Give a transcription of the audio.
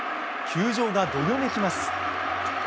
球場がどよめきます。